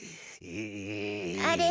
あれ？